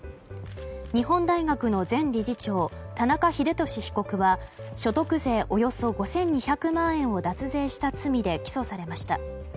日本大学の前理事長田中英寿被告は所得税およそ５２００万円を脱税した罪で起訴されました。